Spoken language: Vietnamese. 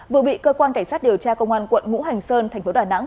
vừa bị cơ quan cảnh sát điều tra công an quận ngũ hành sơn thành phố đà nẵng